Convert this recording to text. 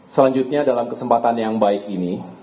selanjutnya dalam kesempatan yang baik ini